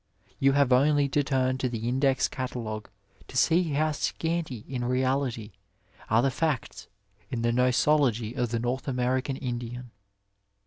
You have only to turn to the Index catalogue to see how scanty in reality are the facts in the nosology of the North American Indian.